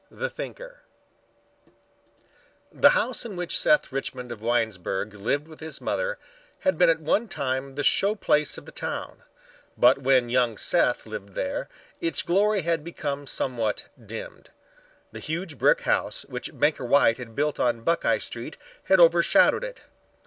THE THINKER The house in which Seth Richmond of Winesburg lived with his mother had been at one time the show place of the town, but when young Seth lived there its glory had become somewhat dimmed. The huge brick house which Banker White had built on Buckeye Street had overshadowed it.